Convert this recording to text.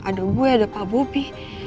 ada gue ada pak bobi